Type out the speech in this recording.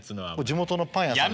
地元のパン屋さん。